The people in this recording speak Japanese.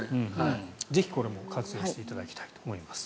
ぜひこれも活用していただきたいと思います。